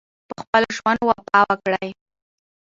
په خپلو ژمنو وفا وکړئ.